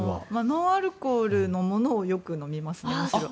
ノンアルコールのものをよく飲みますね。